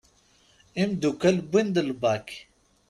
Imddukal wwin-d l BAK.